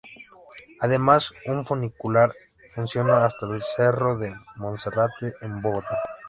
Además un funicular funciona hasta el cerro de Monserrate en Bogotá.